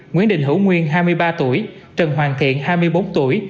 nguyễn đình hữu nguyên hai mươi ba tuổi trần hoàng thiện hai mươi bốn tuổi